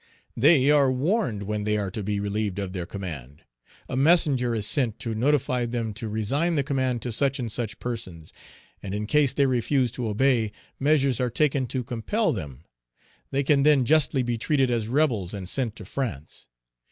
They are warned Page 320 when they are to be relieved of their command; a messenger is sent to notify them to resign the command to such and such persons; and in case they refuse to obey, measures are taken to compel them; they can then justly be treated as rebels and sent to France.